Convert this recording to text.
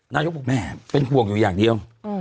นายกบอกแม่เป็นห่วงอยู่อย่างเดียว